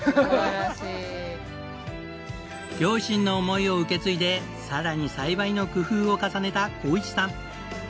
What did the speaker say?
両親の思いを受け継いでさらに栽培の工夫を重ねた浩市さん。